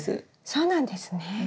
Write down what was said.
そうなんですね。